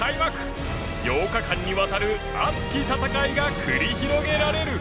８日間にわたる熱き戦いが繰り広げられる！